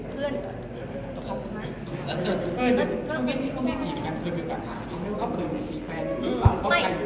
เพื่อนเขาพูดมาก